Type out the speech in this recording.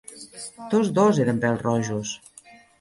Tots dos eren pèl-rojos.